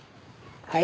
はい？